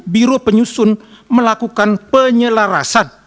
biro penyusun melakukan penyelarasan